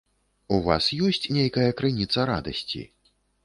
У вас ёсць нейкая крыніца радасці?